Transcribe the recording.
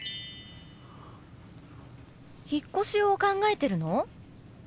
引っ越しを考えてるの？